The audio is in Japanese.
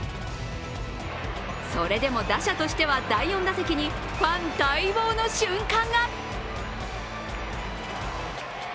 それでも、打者としては第４打席にファン待望の瞬間が。